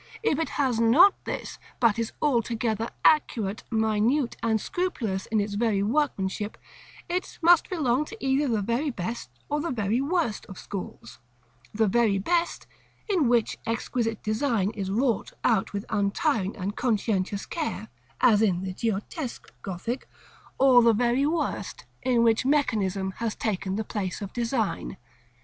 If it has not this, but is altogether accurate, minute, and scrupulous in its workmanship, it must belong to either the very best or the very worst of schools: the very best, in which exquisite design is wrought out with untiring and conscientious care, as in the Giottesque Gothic; or the very worst, in which mechanism has taken the place of design.